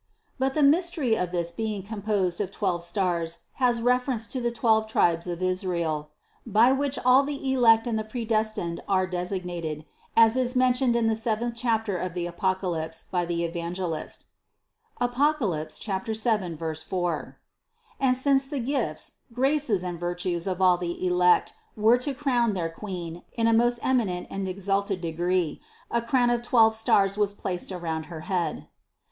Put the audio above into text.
But the mystery of its being composed of twelve stars has reference to the twelve tribes of Is rael, by which all the elect and the predestined are desig nated, as is mentioned in the seventh chapter of the Apocalypse by the Evangelist (Apoc. 7,4). And since the gifts, graces and virtues of all the elect were to crown their Queen in a most eminent and exalted de gree, a crown of twelve stars was placed around her head.